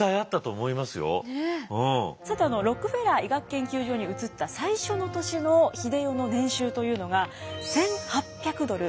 さてロックフェラー医学研究所に移った最初の年の英世の年収というのが１，８００ドル。